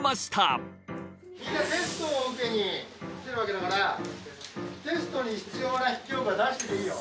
みんなテストを受けに来てるわけだからテストに必要な筆記用具は出してていいよ。